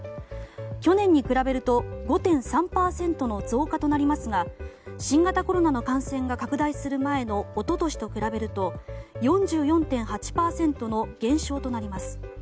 去年に比べると５．３％の増加となりますが新型コロナの感染が拡大する前の一昨年と比べると４４．８％の減少となります。